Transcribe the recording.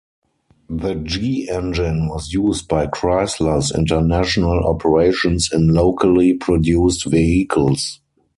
The G-engine was used by Chrysler's international operations in locally produced vehicles.